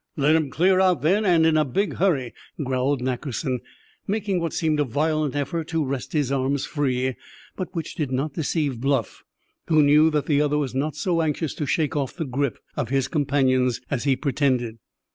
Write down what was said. "Let 'em clear out, then, and in a big hurry!" growled Nackerson, making what seemed a violent effort to wrest his arms free, but which did not deceive Bluff, who knew that the other was not so anxious to shake off the grip of his companions as he pretended.